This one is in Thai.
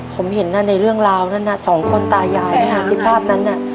ผมเห็นในเรื่องราวนั้นสองคนตายายคิดภาพนั้นน่ะ